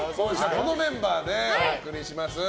このメンバーでお送りします。